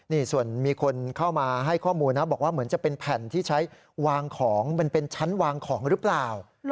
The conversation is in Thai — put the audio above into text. นี่ส่วนมีคนเข้ามาให้ข้อมูลนะบอกว่าเหมือนจะเป็นแผ่นที่ใช้วางของมันเป็นชั้นวางของหรือเปล่า